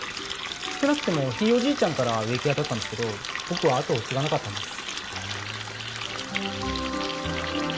少なくてもひいおじいちゃんから植木屋だったんですけど僕は後を継がなかったんです。